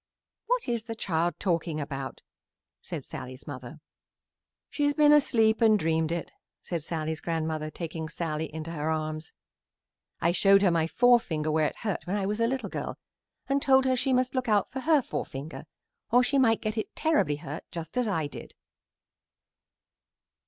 "What is the child talking about?" said Sallie's mother. "She has been asleep and dreamed it," said Sallie's grandmother, taking Sallie in her arms. "I showed her my forefinger where it was hurt when I was a little girl and told her she must look out for her forefinger or she might get it terribly hurt just as I did.